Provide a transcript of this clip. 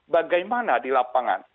bagaimana di lapangan